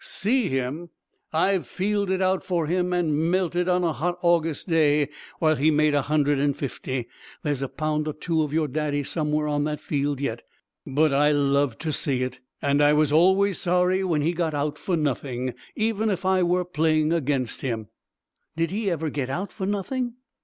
"See him! I've fielded out for him and melted on a hot August day while he made a hundred and fifty. There's a pound or two of your Daddy somewhere on that field yet. But I loved to see it, and I was always sorry when he got out for nothing, even if I were playing against him." "Did he ever get out for nothing?"